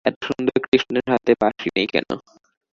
এত সুন্দর কৃষ্ণের হাতে বাঁশি নেই কেন?